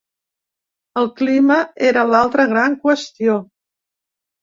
El clima era l’altra gran qüestió.